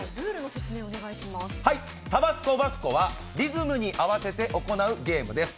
「タバスコバスコ」はリズムに合わせて行うゲームです。